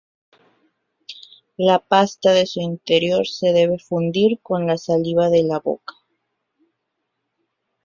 La pasta de su interior se debe fundir con la saliva de la boca.